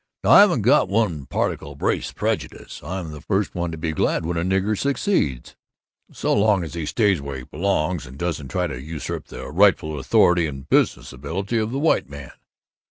Now, I haven't got one particle of race prejudice. I'm the first to be glad when a nigger succeeds so long as he stays where he belongs and doesn't try to usurp the rightful authority and business ability of the white man."